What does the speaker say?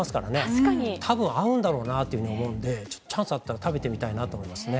確かに多分合うんだろうなって思うんでチャンスあったら食べてみたいなと思いますね。